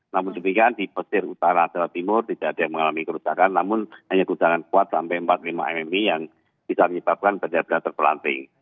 namun demikian di pesir utara jawa timur tidak ada yang mengalami kerusakan namun hanya kerusakan kuat sampai empat puluh lima mm yang bisa menyebabkan benda benda terpelanting